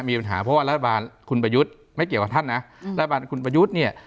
มีปัญหาเพราะว่ารัฐบาลคุณประยุทธ์ไม่เกี่ยวกับท่านนะรัฐบาลคุณประยุทธ์เนี่ย